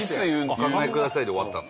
「お考えください」で終わったの。